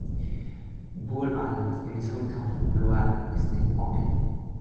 Buell Island in his hometown of Lowell is named after him.